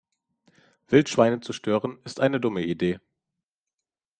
Wildschweine zu stören ist eine dumme Idee.